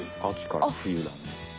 あきから冬だね。